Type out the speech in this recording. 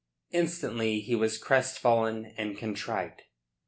Instantly he was crestfallen and contrite.